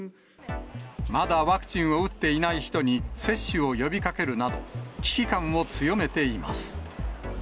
まだワクチンを打っていない人に、接種を呼びかけるなど、危機感を強めています。